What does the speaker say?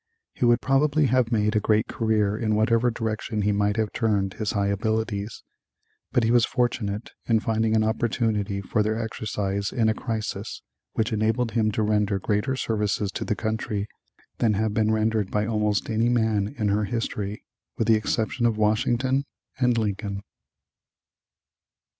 He would probably have made a great career in whatever direction he might have turned his high abilities, but he was fortunate in finding an opportunity for their exercise in a crisis which enabled him to render greater services to the country than have been rendered by almost any man in her history, with the exception of Washington and Lincoln.